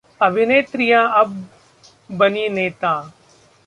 अभिनेत्रियां अब बनी नेता